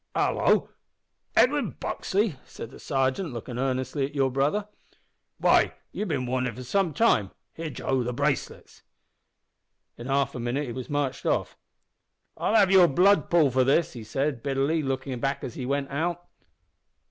"`Hallo! Edwin Buxley!' said the sargeant, lookin' earnestly at your brother; `why you've bin wanted for some time. Here, Joe! the bracelets.' "In half a minute he was marched off. `I'll have your blood, Paul, for this,' he said bitterly, looking back as he went out.